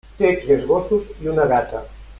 Té tres gossos i una gata.